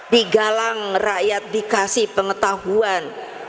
digalang rakyat dikasih pengetahuan